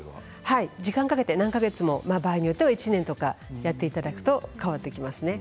時間をかけて何か月も場合によっては１年かけていただければ変わっていきますね。